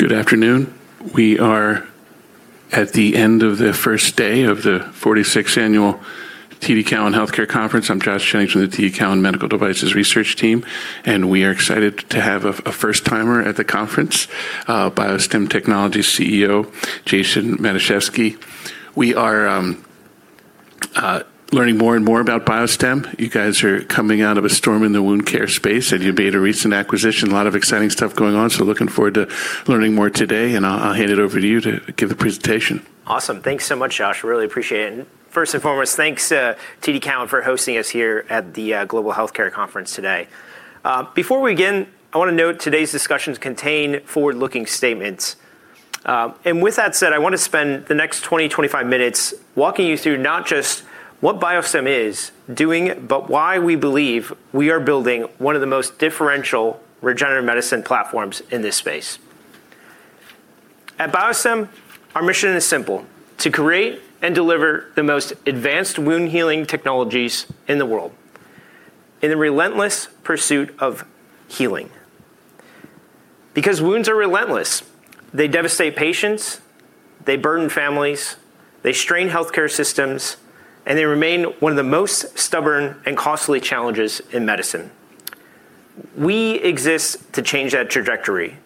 Good afternoon. We are at the end of the first day of the 46th Annual TD Cowen Healthcare Conference. I'm Josh Jennings from the TD Cowen Medical Devices Research Team. We are excited to have a first-timer at the conference, BioStem Technologies CEO, Jason Matuszewski. We are learning more and more about BioStem. You guys are coming out of a storm in the wound care space. You made a recent acquisition. A lot of exciting stuff going on. Looking forward to learning more today, I'll hand it over to you to give the presentation. Awesome. Thanks so much, Josh. Really appreciate it. First and foremost, thanks to TD Cowen for hosting us here at the Global Healthcare Conference today. Before we begin, I wanna note today's discussions contain forward-looking statements. With that said, I wanna spend the next 20-25 minutes walking you through not just what BioStem is doing, but why we believe we are building one of the most differential regenerative medicine platforms in this space. At BioStem, our mission is simple: to create and deliver the most advanced wound healing technologies in the world in the relentless pursuit of healing. Wounds are relentless. They devastate patients, they burden families, they strain healthcare systems, and they remain one of the most stubborn and costly challenges in medicine. We exist to change that trajectory.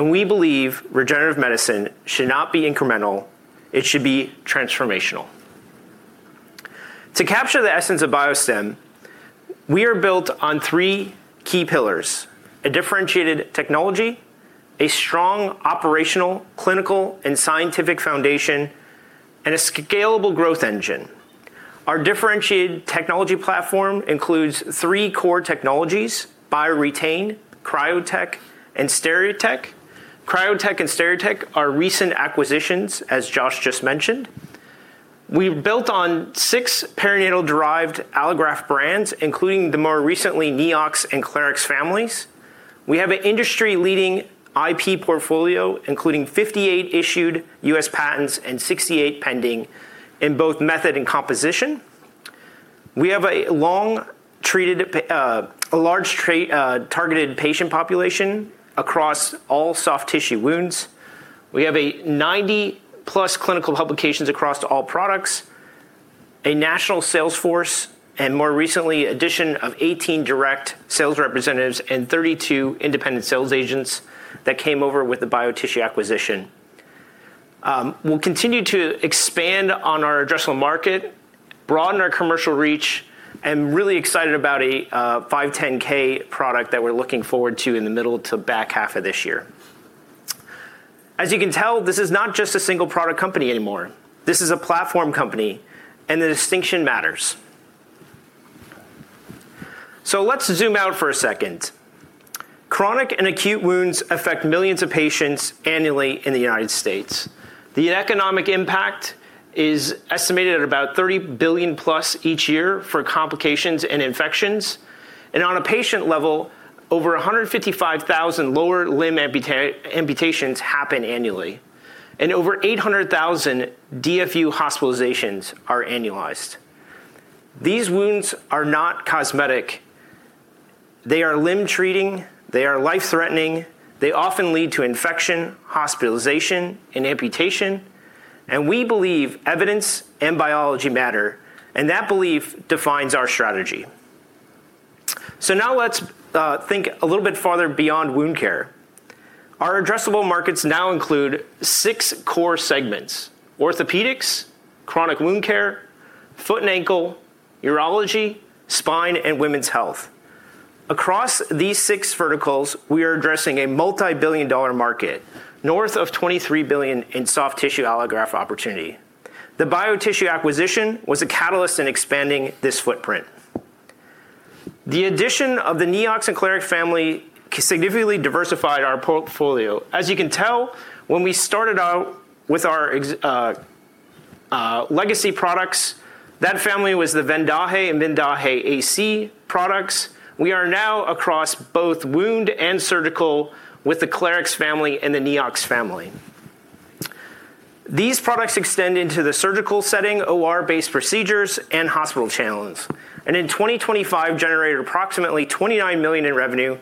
We believe regenerative medicine should not be incremental, it should be transformational. To capture the essence of BioStem, we are built on three key pillars: a differentiated technology, a strong operational, clinical, and scientific foundation, and a scalable growth engine. Our differentiated technology platform includes three core technologies, BioRetain, CryoTek, and SteriTek. CryoTek and SteriTek are recent acquisitions, as Josh just mentioned. We've built on six perinatal-derived allograft brands, including the more recently Neox and Clarix families. We have a industry-leading IP portfolio, including 58 issued U.S. patents and 68 pending in both method and composition. We have a large targeted patient population across all soft tissue wounds. We have a 90+ clinical publications across to all products, a national sales force, and more recently, addition of 18 direct sales representatives and 32 independent sales agents that came over with the BioTissue acquisition. We'll continue to expand on our addressable market, broaden our commercial reach, Really excited about a 510(k) product that we're looking forward to in the middle to back half of this year. As you can tell, this is not just a single product company anymore. This is a platform company. The distinction matters. Let's zoom out for a second. Chronic and acute wounds affect millions of patients annually in the United States. The economic impact is estimated at about $30 billion-plus each year for complications and infections. On a patient level, over 155,000 lower limb amputations happen annually, and over 800,000 DFU hospitalizations are annualized. These wounds are not cosmetic. They are limb-threatening, they are life-threatening, they often lead to infection, hospitalization, and amputation. We believe evidence and biology matter, and that belief defines our strategy. Now let's think a little bit farther beyond wound care. Our addressable markets now include six core segments: orthopedics, chronic wound care, foot and ankle, urology, spine, and women's health. Across these six verticals, we are addressing a multi-billion dollar market, north of $23 billion in soft tissue allograft opportunity. The BioTissue acquisition was a catalyst in expanding this footprint. The addition of the Neox and Clarix family significantly diversified our portfolio. As you can tell, when we started out with our legacy products, that family was the VENDAJE and VENDAJE AC products. We are now across both wound and surgical with the Clarix family and the Neox family. These products extend into the surgical setting, OR-based procedures, and hospital channels, in 2025 generated approximately $29 million in revenue,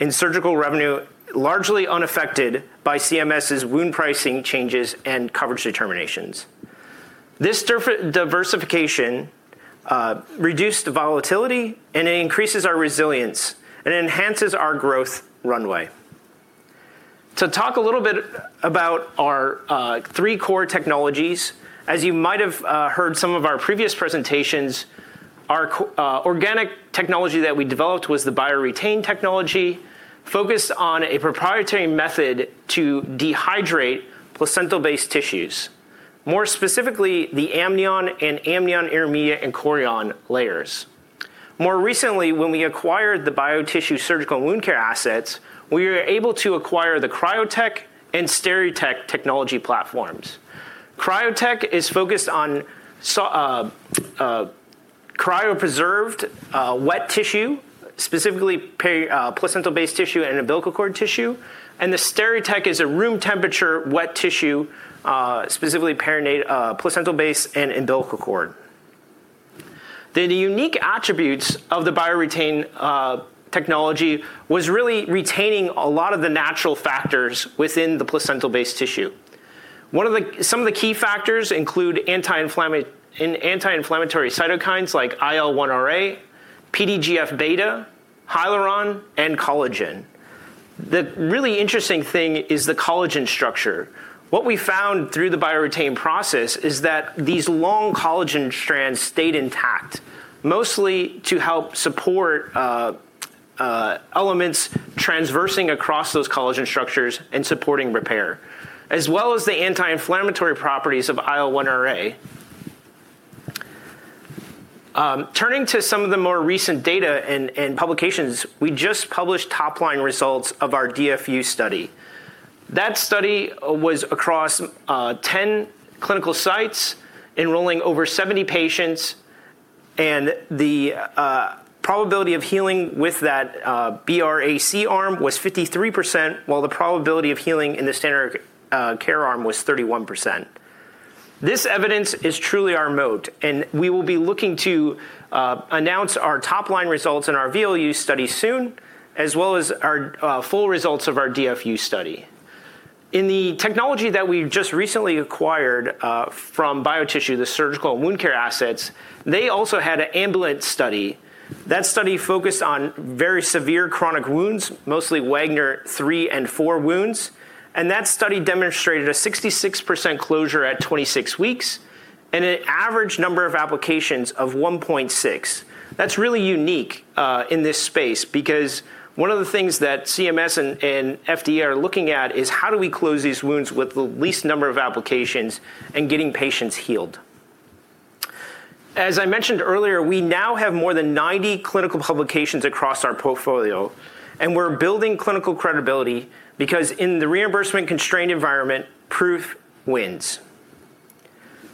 in surgical revenue, largely unaffected by CMS's wound pricing changes and coverage determinations. This diversification reduced the volatility, it increases our resilience and enhances our growth runway. To talk a little bit about our three core technologies, as you might have heard some of our previous presentations, our organic technology that we developed was the BioRetain technology, focused on a proprietary method to dehydrate placental-based tissues, more specifically the amnion and amnion intermedia and chorion layers. More recently, when we acquired the BioTissue surgical wound care assets, we were able to acquire the CryoTek and SteriTek technology platforms. CryoTek is focused on cryopreserved wet tissue, specifically placental-based tissue and umbilical cord tissue. The SteriTek is a room temperature wet tissue, specifically placental-based and umbilical cord. The unique attributes of the BioRetain technology was really retaining a lot of the natural factors within the placental-based tissue. Some of the key factors include anti-inflammatory cytokines like IL-1RA, PDGF-BB, hyaluronan, and collagen. The really interesting thing is the collagen structure. What we found through the BioRetain process is that these long collagen strands stayed intact, mostly to help support elements transversing across those collagen structures and supporting repair, as well as the anti-inflammatory properties of IL-1RA. Turning to some of the more recent data and publications, we just published top-line results of our DFU study. That study was across 10 clinical sites enrolling over 70 patients, and the probability of healing with that BR-AC arm was 53%, while the probability of healing in the standard care arm was 31%. This evidence is truly our moat, and we will be looking to announce our top-line results in our VLU study soon, as well as our full results of our DFU study. In the technology that we've just recently acquired from BioTissue, the surgical and wound care assets, they also had an ambulatory study. That study focused on very severe chronic wounds, mostly Wagner 3 and 4 wounds. That study demonstrated a 66% closure at 26 weeks and an average number of applications of 1.6. That's really unique in this space, because one of the things that CMS and FDA are looking at is how do we close these wounds with the least number of applications and getting patients healed. As I mentioned earlier, we now have more than 90 clinical publications across our portfolio, and we're building clinical credibility because in the reimbursement-constrained environment, proof wins.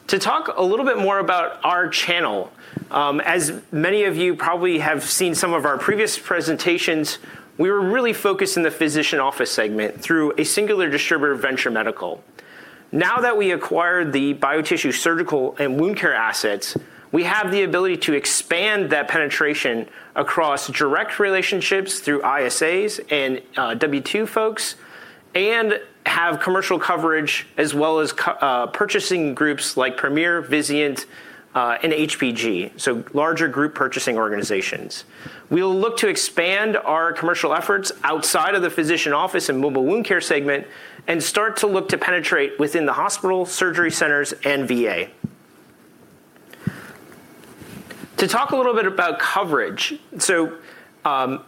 To talk a little bit more about our channel, as many of you probably have seen some of our previous presentations, we were really focused in the physician office segment through a singular distributor, Venture Medical. We acquired the BioTissue surgical and wound care assets, we have the ability to expand that penetration across direct relationships through ISAs and W-2 folks and have commercial coverage as well as purchasing groups like Premier, Vizient, and HPG, larger group purchasing organizations. We'll look to expand our commercial efforts outside of the physician office and mobile wound care segment and start to look to penetrate within the hospital, surgery centers, and VA. To talk a little bit about coverage.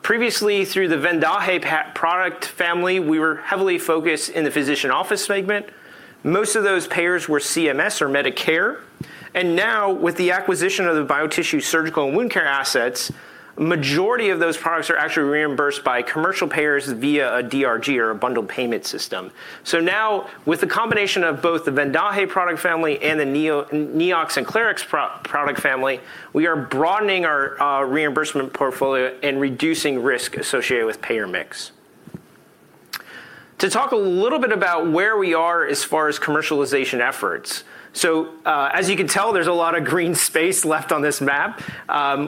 Previously, through the VENDAJE product family, we were heavily focused in the physician office segment. Most of those payers were CMS or Medicare. Now with the acquisition of the BioTissue surgical and wound care assets, majority of those products are actually reimbursed by commercial payers via a DRG or a bundled payment system. Now with the combination of both the VENDAJE product family and the Neox and Clarix product family, we are broadening our reimbursement portfolio and reducing risk associated with payer mix. To talk a little bit about where we are as far as commercialization efforts. As you can tell, there's a lot of green space left on this map.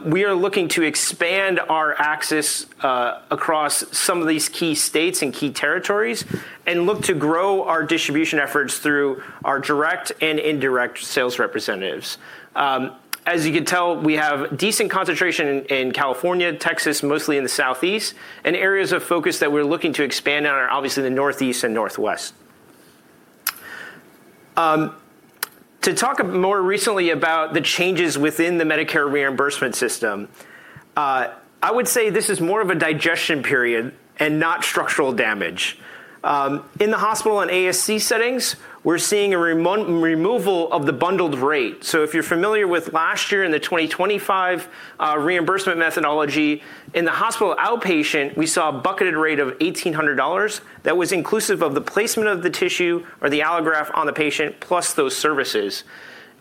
We are looking to expand our access across some of these key states and key territories and look to grow our distribution efforts through our direct and indirect sales representatives. As you can tell, we have decent concentration in California, Texas, mostly in the southeast, and areas of focus that we're looking to expand on are obviously the northeast and northwest. To talk more recently about the changes within the Medicare reimbursement system, I would say this is more of a digestion period and not structural damage. In the hospital and ASC settings, we're seeing a removal of the bundled rate. If you're familiar with last year and the 2025 reimbursement methodology, in the hospital outpatient, we saw a bucketed rate of $1,800 that was inclusive of the placement of the tissue or the allograft on the patient, plus those services.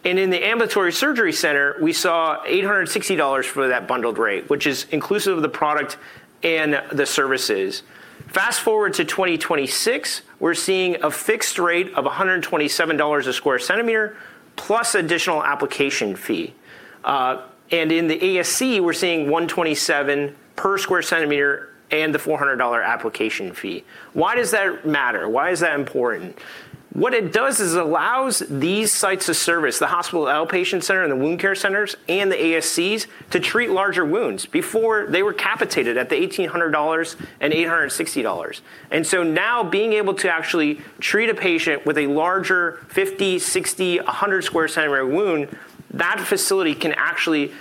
In the ambulatory surgery center, we saw $860 for that bundled rate, which is inclusive of the product and the services. Fast-forward to 2026, we're seeing a fixed rate of $127 a square centimeter plus additional application fee. In the ASC, we're seeing $127 per square centimeter and the $400 application fee. Why does that matter? Why is that important? What it does is it allows these sites of service, the hospital outpatient center and the wound care centers and the ASCs to treat larger wounds. Before, they were capitated at the $1,800 and $860. Now being able to actually treat a patient with a larger 50, 60, 100 square centimeter wound, that facility can actually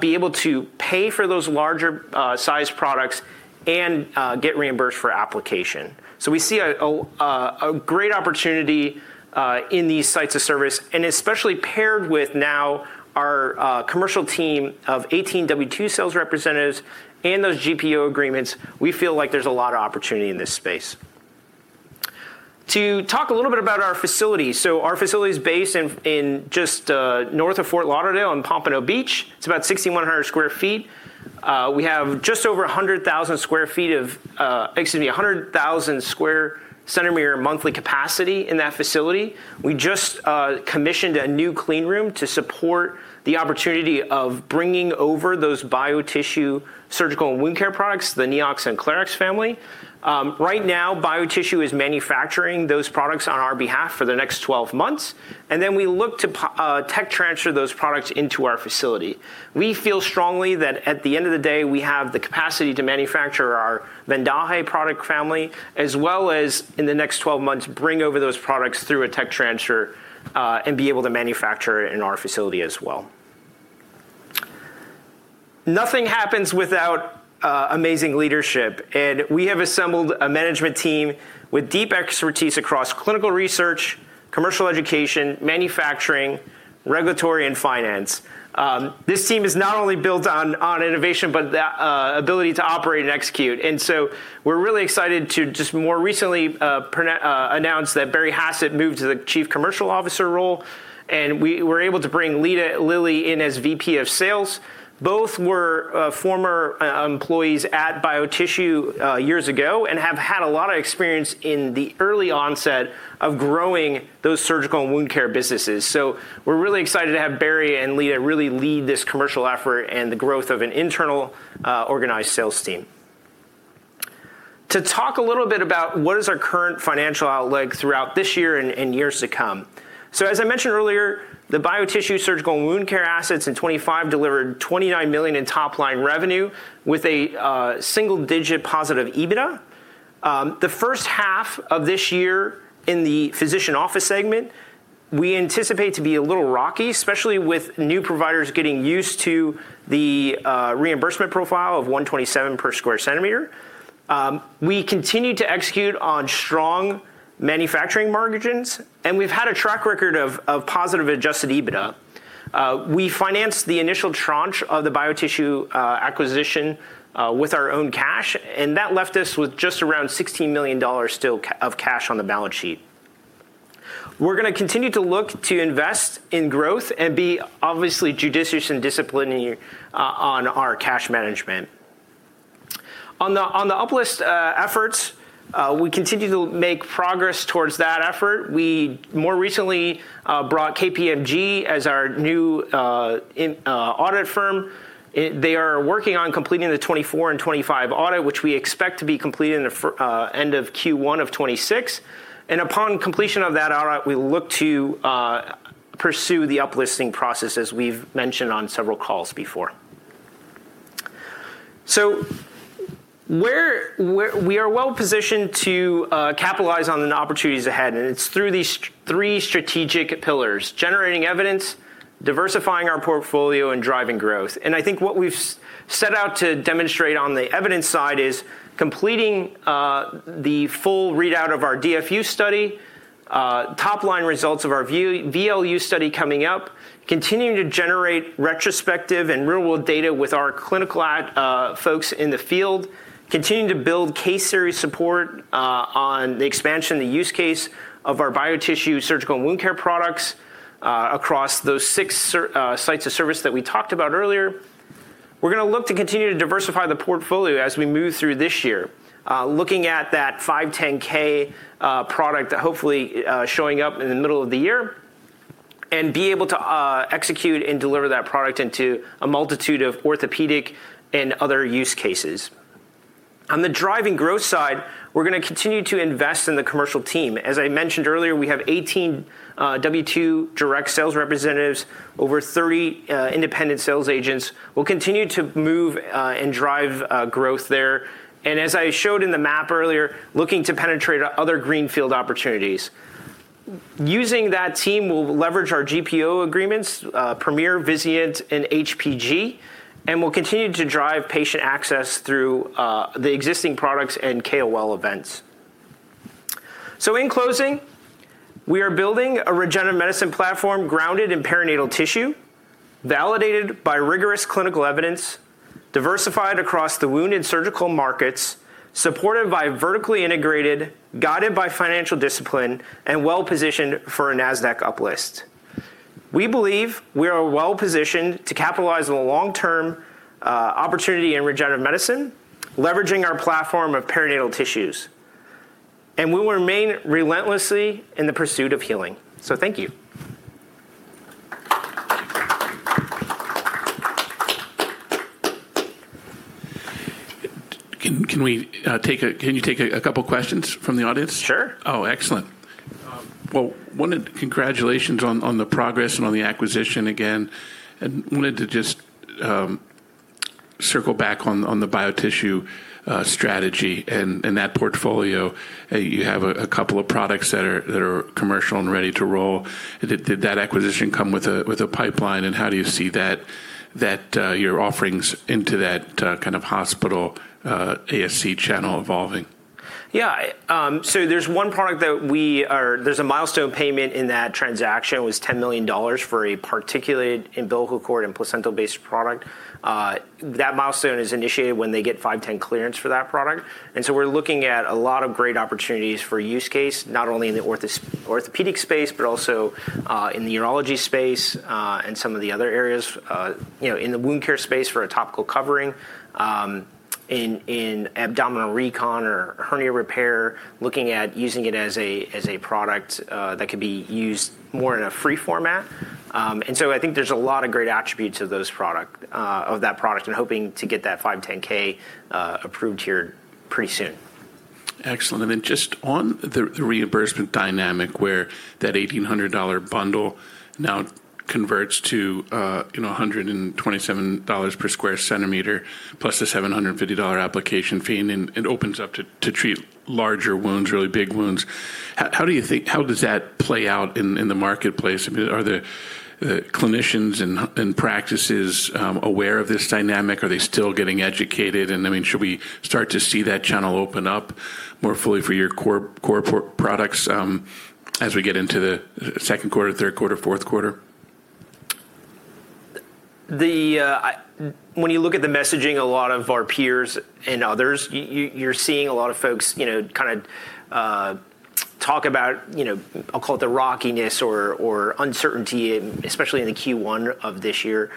be able to pay for those larger size products and get reimbursed for application. We see a great opportunity in these sites of service and especially paired with now our commercial team of 18 W-2 sales representatives and those GPO agreements. We feel like there's a lot of opportunity in this space. To talk a little bit about our facility. Our facility is based in just north of Fort Lauderdale in Pompano Beach. It's about 6,100 sq ft. We have just over 100,000 sq cm monthly capacity in that facility. We just commissioned a new clean room to support the opportunity of bringing over those BioTissue surgical and wound care products, the Neox and Clarix family. Right now, BioTissue is manufacturing those products on our behalf for the next 12 months, and then we look to tech transfer those products into our facility. We feel strongly that at the end of the day, we have the capacity to manufacture our VENDAJE product family, as well as in the next 12 months, bring over those products through a tech transfer, and be able to manufacture it in our facility as well. Nothing happens without amazing leadership, and we have assembled a management team with deep expertise across clinical research, commercial education, manufacturing, regulatory, and finance. This team is not only built on innovation, but the ability to operate and execute. We're really excited to just more recently announce that Barry Hassett moved to the Chief Commercial Officer role, and we were able to bring Lita Lilly in as VP of Sales. Both were former employees at BioTissue years ago and have had a lot of experience in the early onset of growing those surgical and wound care businesses. We're really excited to have Barry and Lita really lead this commercial effort and the growth of an internal organized sales team. To talk a little bit about what is our current financial outlook throughout this year and years to come. As I mentioned earlier, the BioTissue surgical and wound care assets in 2025 delivered $29 million in top-line revenue with a single-digit positive EBITDA. The first half of this year in the physician office segment, we anticipate to be a little rocky, especially with new providers getting used to the reimbursement profile of $127 per square centimeter. We continue to execute on strong manufacturing margins, and we've had a track record of positive adjusted EBITDA. We financed the initial tranche of the BioTissue acquisition with our own cash, and that left us with just around $16 million still of cash on the balance sheet. We're gonna continue to look to invest in growth and be obviously judicious and disciplined here on our cash management. On the up-list efforts, we continue to make progress towards that effort. We more recently brought KPMG as our new audit firm. They are working on completing the 2024 and 2025 audit, which we expect to be completed in the end of Q1 of 2026. Upon completion of that audit, we look to pursue the up-listing process, as we've mentioned on several calls before. We're well-positioned to capitalize on the opportunities ahead, and it's through these three strategic pillars: generating evidence, diversifying our portfolio, and driving growth. I think what we've set out to demonstrate on the evidence side is completing the full readout of our DFU study, top-line results of our VLU study coming up, continuing to generate retrospective and real-world data with our clinical folks in the field, continuing to build case series support on the expansion of the use case of our BioTissue surgical and wound care products across those six sites of service that we talked about earlier. We're gonna look to continue to diversify the portfolio as we move through this year. Looking at that 510(k) product hopefully showing up in the middle of the year and be able to execute and deliver that product into a multitude of orthopedic and other use cases. On the driving growth side, we're gonna continue to invest in the commercial team. As I mentioned earlier, we have 18 W-2 direct sales representatives, over 30 independent sales agents. We'll continue to move and drive growth there. As I showed in the map earlier, looking to penetrate other greenfield opportunities. Using that team, we'll leverage our GPO agreements, Premier, Vizient, and HPG, and we'll continue to drive patient access through the existing products and KOL events. In closing, we are building a regenerative medicine platform grounded in perinatal tissue, validated by rigorous clinical evidence, diversified across the wound and surgical markets, supported by vertically integrated, guided by financial discipline, and well-positioned for a Nasdaq up-list. We believe we are well-positioned to capitalize on the long-term opportunity in regenerative medicine, leveraging our platform of perinatal tissues. We will remain relentlessly in the pursuit of healing. Thank you. Can we take a couple questions from the audience? Sure. Oh, excellent. Well, congratulations on the progress and on the acquisition again. Wanted to just circle back on the BioTissue strategy and that portfolio. You have a couple of products that are commercial and ready to roll. Did that acquisition come with a pipeline, and how do you see that your offerings into that kind of hospital, ASC channel evolving? Yeah. There's one product. There's a milestone payment in that transaction. It was $10 million for a particulated umbilical cord and placental-based product. That milestone is initiated when they get 510(k) clearance for that product. We're looking at a lot of great opportunities for use case, not only in the orthopedic space, but also in the urology space, and some of the other areas, you know, in the wound care space for a topical covering, in abdominal recon or hernia repair, looking at using it as a product that could be used more in a free format. I think there's a lot of great attributes of that product and hoping to get that 510(k) approved here pretty soon. Excellent. I mean, just on the reimbursement dynamic where that $1,800 bundle now converts to, you know, $127 per square centimeter plus the $750 application fee, and it opens up to treat larger wounds, really big wounds. How does that play out in the marketplace? I mean, are the clinicians and practices aware of this dynamic? Are they still getting educated? I mean, should we start to see that channel open up more fully for your core products as we get into the second quarter, third quarter, fourth quarter? When you look at the messaging, a lot of our peers and others, you're seeing a lot of folks, you know, talk about, you know, I'll call it the rockiness or uncertainty, especially in the Q1 of this year.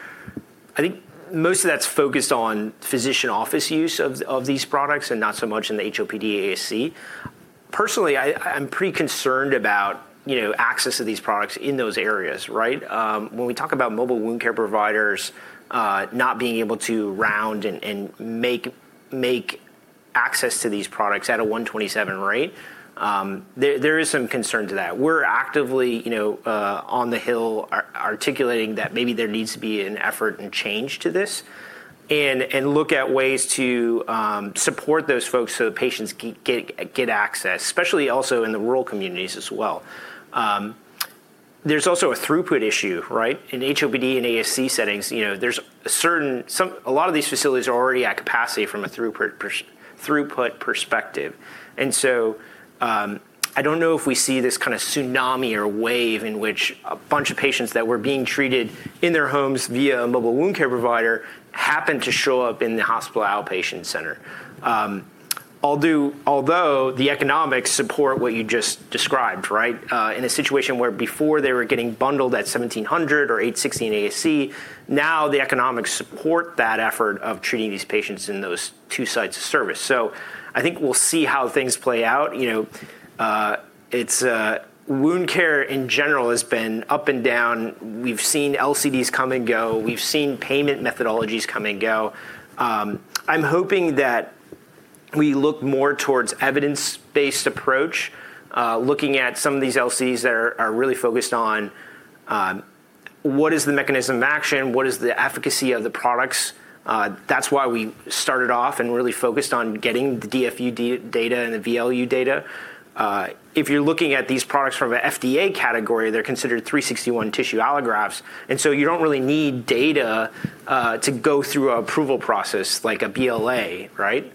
I think most of that's focused on physician office use of these products and not so much in the HOPD ASC. Personally, I'm pretty concerned about, you know, access to these products in those areas, right? When we talk about mobile wound care providers, not being able to round and make access to these products at a $127 rate, there is some concern to that. We're actively, you know, on the Hill articulating that maybe there needs to be an effort and change to this and look at ways to support those folks so the patients get access, especially also in the rural communities as well. There's also a throughput issue, right? In HOPD and ASC settings, you know, there's a lot of these facilities are already at capacity from a throughput perspective. I don't know if we see this kinda tsunami or wave in which a bunch of patients that were being treated in their homes via a mobile wound care provider happen to show up in the hospital outpatient center. Although the economics support what you just described, right? In a situation where before they were getting bundled at $1,700 or $860 in ASC, now the economics support that effort of treating these patients in those two sites of service. I think we'll see how things play out. You know, it's wound care in general has been up and down. We've seen LCDs come and go. We've seen payment methodologies come and go. I'm hoping that we look more towards evidence-based approach, looking at some of these LCDs that are really focused on what is the mechanism of action, what is the efficacy of the products. That's why we started off and really focused on getting the DFU data and the VLU data. If you're looking at these products from an FDA category, they're considered 361 tissue allografts, you don't really need data to go through an approval process like a BLA, right?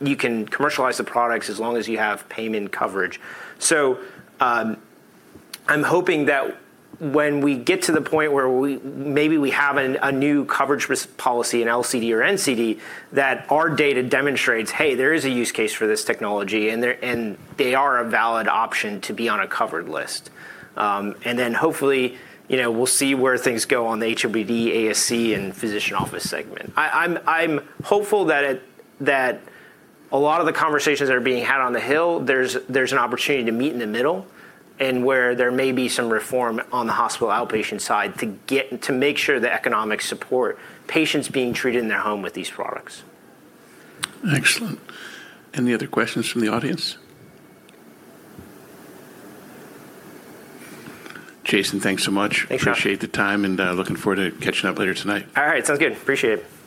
You can commercialize the products as long as you have payment coverage. I'm hoping that when we get to the point where maybe we have a new coverage risk policy, an LCD or NCD, that our data demonstrates, hey, there is a use case for this technology, and they are a valid option to be on a covered list. Then hopefully, you know, we'll see where things go on the HOPD, ASC, and physician office segment. I'm hopeful that a lot of the conversations that are being had on the Hill, there's an opportunity to meet in the middle and where there may be some reform on the hospital outpatient side to make sure the economics support patients being treated in their home with these products. Excellent. Any other questions from the audience? Jason, thanks so much. Thanks, Josh. Appreciate the time, looking forward to catching up later tonight. All right. Sounds good. Appreciate it.